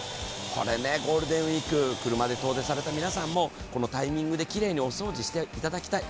ゴールデンウイーク、車で遠出された皆さんもこのタイミグできれいにお掃除していただきたい。